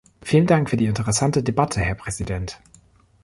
Vielen Dank für die interessante Debatte, Herr Präsident.